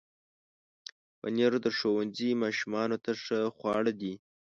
پنېر د ښوونځي ماشومانو ته ښه خواړه دي.